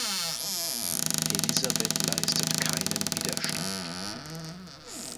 Elizabeth leistet keinen Widerstand.